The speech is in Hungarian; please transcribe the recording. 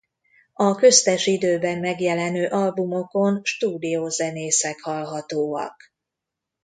A köztes időben megjelenő albumokon stúdiózenészek hallhatóak.